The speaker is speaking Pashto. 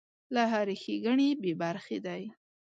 له هرې ښېګڼې بې برخې دی.